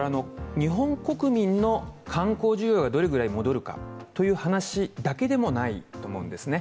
日本国民の観光需要がどれぐらい戻るかという話だけでもないと思うんですね。